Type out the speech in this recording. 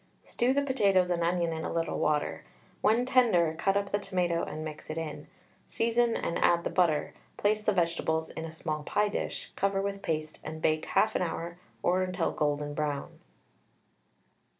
Stew the potatoes and onion in a little water; when tender, cut up the tomato and mix it in, season and add the butter; place the vegetables in a small pie dish, cover with paste, and bake 1/2 hour or until golden brown.